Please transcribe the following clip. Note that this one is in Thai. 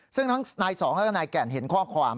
ซึ่งทั้งนายสองแล้วก็นายแก่นเห็นข้อความ